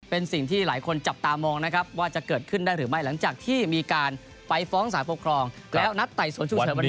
เป็นสิ่งที่หลายคนจับตามองนะครับว่าจะเกิดขึ้นได้หรือไม่หลังจากที่มีการไปฟ้องสารปกครองแล้วนัดไต่สวนฉุกเฉินวันนี้